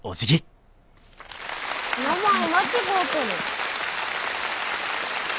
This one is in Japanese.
名前間違うとる。